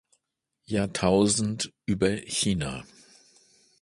Jahrtausend über China.